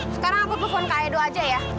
sekarang aku telepon ke edo aja ya